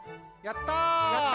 やった！